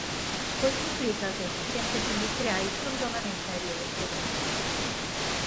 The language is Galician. Pois implica que os axentes industriais non toman en serio este goberno.